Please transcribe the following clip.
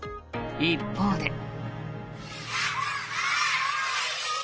一方で。